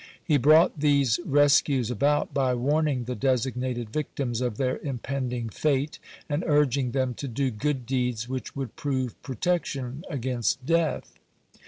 He brought these rescues about by warning the designated victims of their impending fate, and urging them to do good deeds, which would prove protection against death.